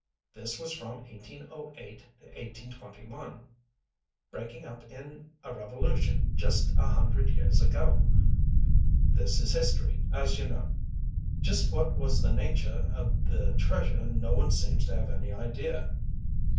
This was from 1808 to 1821 breaking up in a revolution just a hundred years ago. This is history, as you know. Just what was the nature of the treasure no one seems to have any idea.